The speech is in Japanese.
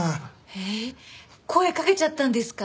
ええっ声かけちゃったんですか？